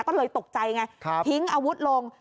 ก็เลยตกใจไงทิ้งอาวุธลง